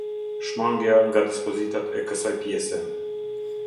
Shmangia nga dispozitat e kësaj pjese.